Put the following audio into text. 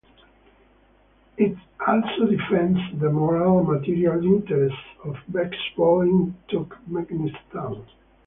It also defends the moral and material interests of basketball in Turkmenistan.